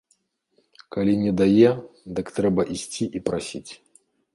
Калі не дае, дык трэба ісці і прасіць.